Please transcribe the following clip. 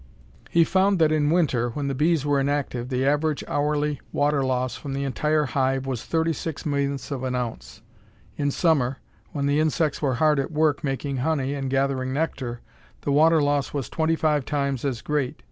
He found that in winter when the bees were inactive the average hourly water loss from the entire hive was thirty six millionths of an ounce. In summer when the insects were hard at work making honey and gathering nectar the water loss was twenty five times as great.